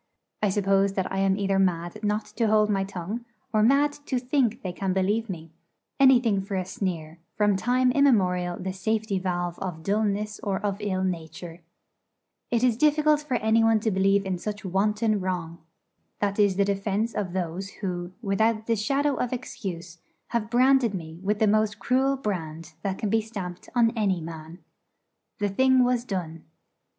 I suppose that I am either mad not to hold my tongue, or mad to think they can believe me anything for a sneer, from time immemorial the safety valve of dulness or of ill nature. It is difficult for anyone to believe in such wanton wrong. That is the defence of those who, without the shadow of excuse, have branded me with the most cruel brand that can be stamped on any man. The thing was done.